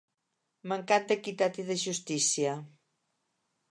Mancat d'equitat i de justícia.